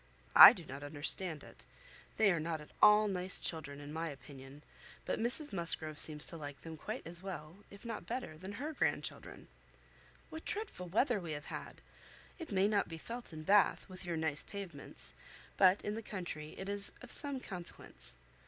I do not understand it. They are not at all nice children, in my opinion; but Mrs Musgrove seems to like them quite as well, if not better, than her grandchildren. What dreadful weather we have had! It may not be felt in Bath, with your nice pavements; but in the country it is of some consequence.